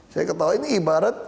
saya ketahuin ibarat